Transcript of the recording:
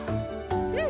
うん！